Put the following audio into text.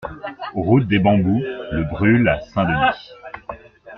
Route des Bambous - Le Brule à Saint-Denis